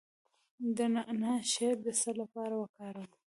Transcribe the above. د نعناع شیره د څه لپاره وکاروم؟